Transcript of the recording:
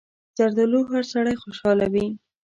زردالو هر سړی خوشحالوي.